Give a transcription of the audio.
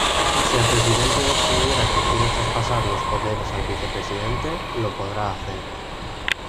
Si el presidente decidiera que quiere traspasar los poderes al Vicepresidente, lo podrá hacer.